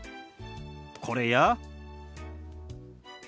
これや。